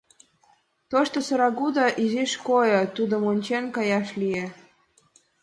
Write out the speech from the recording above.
Тошто сырагудо изиш койо, тудым ончен, каяш лие.